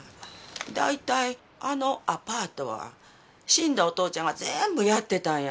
だいたいあのアパートは死んだお父ちゃんが全部やってたんやし。